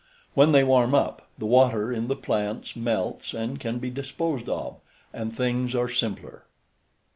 When they warm up, the water in the plants melts and can be disposed of, and things are simpler.